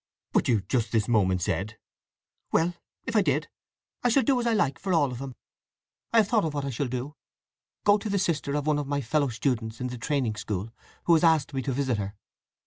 "But you just this moment said—" "Well, if I did, I shall do as I like for all him! I have thought of what I shall do—go to the sister of one of my fellow students in the training school, who has asked me to visit her.